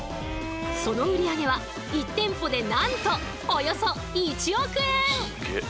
その売り上げは１店舗でなんとおよそ１億円！